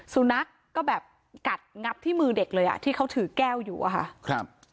สุนัขก็แบบกัดงับที่มือเด็กเลยอ่ะที่เขาถือแก้วอยู่อะค่ะครับ